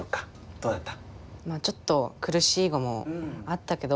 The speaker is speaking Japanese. どうだった？